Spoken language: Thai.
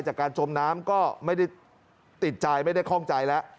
จากการจมน้ำก็ไม่ได้ติดใจไม่ได้คล่องใจแล้ว